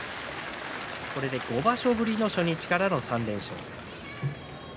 ５場所ぶりの初日からの３連勝です。